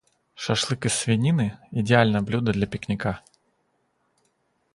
Шашлык из свинины - идеальное блюдо для пикника.